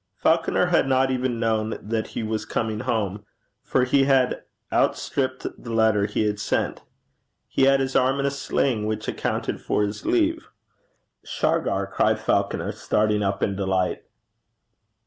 Falconer had not even known that he was coming home, for he had outstripped the letter he had sent. He had his arm in a sling, which accounted for his leave. 'Shargar!' cried Falconer, starting up in delight.